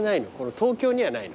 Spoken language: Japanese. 東京にはないの？